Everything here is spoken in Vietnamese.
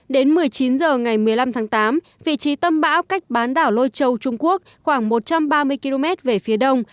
đến một mươi chín h ngày một mươi năm tháng tám vị trí tâm bão cách bán đảo lôi châu trung quốc khoảng một trăm ba mươi km về phía đông